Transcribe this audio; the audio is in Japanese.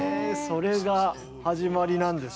それが始まりなんで。